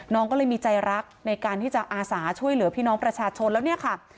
น้องก็เลยมีใจรักในการที่จะอาสาช่วยเหลือพี่น้องประชาชนแล้วเนี่ยค่ะ